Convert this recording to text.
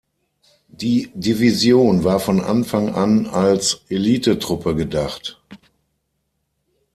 Die Division war von Anfang an als Elitetruppe gedacht.